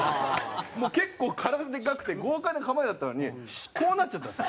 もう結構体でかくて豪快な構えだったのにこうなっちゃったんです。